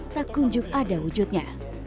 tak kunjung ada wujudnya